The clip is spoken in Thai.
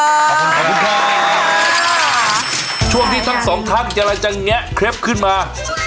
นะคะพร้อมที่ทั้งสองทั้งเดี๋ยวก็จะเงี้ยเคร็บขึ้นมา